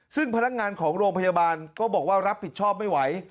ซึ่งพนักงานของโรงพยาบาลก็บอกว่ารับผิดชอบไม่ไหว